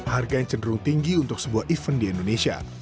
harga yang cenderung tinggi untuk sebuah event di indonesia